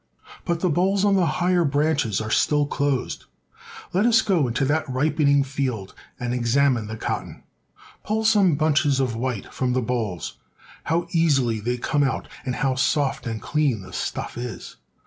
But the bolls on the higher branches are still closed. J: Let us go into that ripening field and examine the cot ton. Pull some bunches of white from the bolls. How easily they come out, and how soft and clean the stuff is!